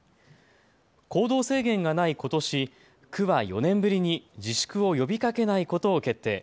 行動制限がないことし区は４年ぶりに自粛を呼びかけないことを決定。